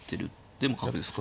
でも角ですか。